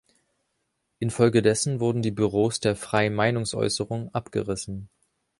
Infolgedessen wurden die Büros der „Freien Meinungsäußerung“ abgerissen.